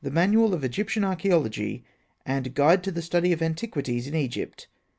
MANUAL OF EGYPTIAN ARCHAEOLOGY AND Guide to the Study of Antiquities in Egypt.